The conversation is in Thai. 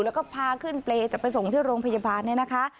แล้วก็พาขึ้นเปรย์จะไปส่งที่โรงพยาบาลเนี่ยนะคะ